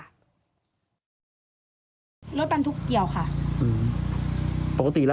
รถบรรทุกเกี่ยวค่ะ